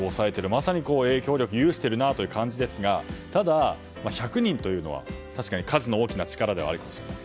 まさに影響力を有している感じですがただ、１００人というのは確かに数の大きな力ではあるかもしれない。